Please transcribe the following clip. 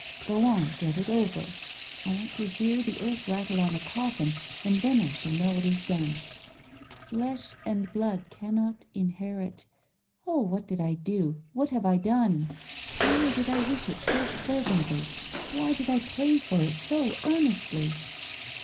... Go on ! Get it over. I want to hear the earth rattle on the coffin, and then I shall know it is done. N< Flesh and blood cannot inherit !' Oh, what did I do ? What have I done ? Why did I wish it so Digitized by Google THE PRAYER 115 fervently ? Why did I pray for it so earnestly